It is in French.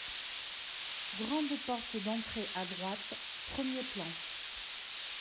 Grande porte d’entrée à droite, premier plan.